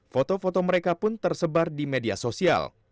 foto foto mereka pun tersebar di media sosial